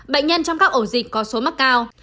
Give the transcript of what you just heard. bệnh nhân trong các ổ dịch có số mắc cao